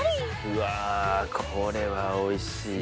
うわこれはおいしいぞ。